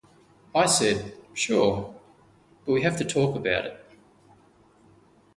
I said: Sure, but we have to talk about it.